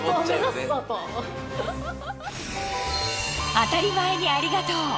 あたりまえにありがとう。